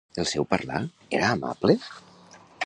El seu parlar era amable?